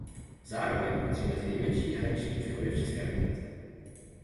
Zároveň patří mezi největší hraniční přechody v České republice.